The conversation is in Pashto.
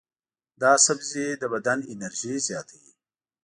دا سبزی د بدن انرژي زیاتوي.